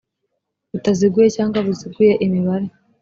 butaziguye cyangwa buziguye imibare